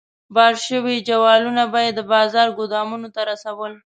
بار شوي جوالونه به یې د بازار ګودامونو ته رسول.